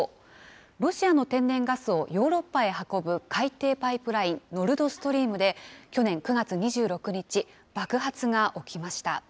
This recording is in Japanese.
ロシアの天然ガスをヨーロッパへ運ぶ海底パイプライン、ノルドストリームで去年９月２６日、爆発が起きました。